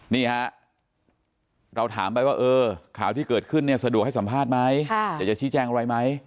นี่ฮะเราถามไปว่าเออข่าวที่เกิดขึ้นเนี่ยสะดวกให้สัมภาษณ์ไหมอยากจะชี้แจ้งอะไรไหม